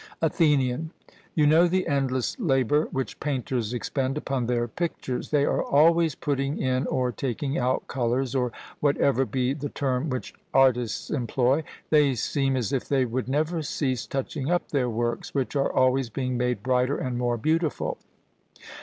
ATHENIAN: You know the endless labour which painters expend upon their pictures they are always putting in or taking out colours, or whatever be the term which artists employ; they seem as if they would never cease touching up their works, which are always being made brighter and more beautiful.